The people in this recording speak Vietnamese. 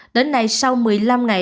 đến nay sau một mươi năm ngày